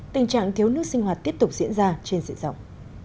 tình trạng thiếu nước sinh hoạt tiếp tục diễn ra trên dị dọng